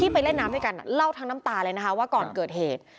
ไปเล่นน้ำด้วยกันเล่าทั้งน้ำตาเลยนะคะว่าก่อนเกิดเหตุ